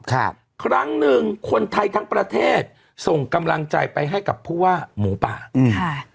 ครั้งหนึ่งคนไทยทั้งประเทศส่งกำลังใจไปให้กับผู้ว่าหมูป่าอืมค่ะ